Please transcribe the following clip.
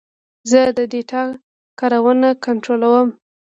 زه د ډیټا کارونه کنټرولوم.